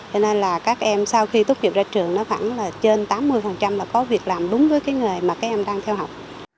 cho nên là các em sau khi tốt nghiệp ra trường nó khoảng là trên tám mươi là có việc làm đúng với cái nghề mà các em đang theo học